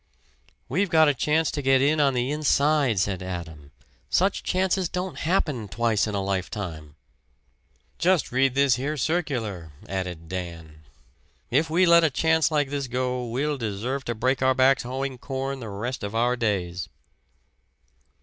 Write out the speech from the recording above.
"We've got a chance to get in on the inside," said Adam. "Such chances don't happen twice in a lifetime." "Just read this here circular!" added Dan. "If we let a chance like this go we'll deserve to break our backs hoeing corn the rest of our days."